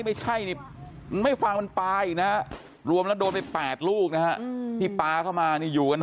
ไม่ใช่ไม่ฟังป้าอีกนะรวมแล้วโดนไป๘ลูกนะที่ป้าเข้ามานี่อยู่